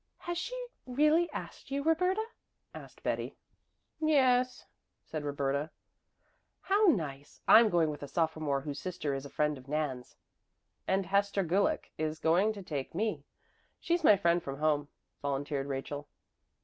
"Has she really asked you, Roberta?" asked Betty. "Yes," said Roberta. "How nice! I'm going with a sophomore whose sister is a friend of Nan's." "And Hester Gulick is going to take me she's my friend from home," volunteered Rachel.